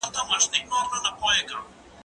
زه هره ورځ کتابتون پاکوم!؟